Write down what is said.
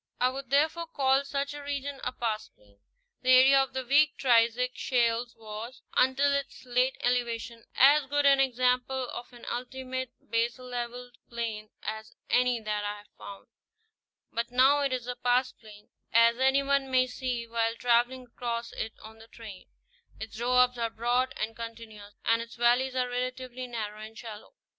I would therefore call such a region a pastplain. The area of the weak Triassic shales was, until its late elevation, as good an example of an ultimate baselevelled plain as any that I have found ; but now it is a pastplain, as any one may see while traveling across it on the train : its doabs are broad and continuous, and its valleys are relatively narrow and shallow.